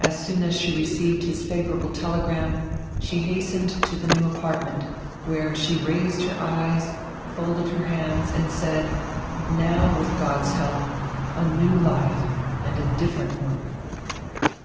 As soon as she received his favorable tele gram she hastened to the new apartment, where she raised her eyes, folded her hands, and said: "Now, with God's help, a new life, and a different one!"